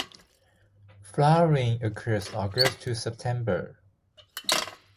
Flowering occurs August to September.